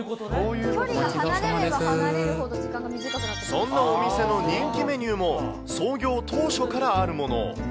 そんなお店の人気メニューも、創業当初からあるもの。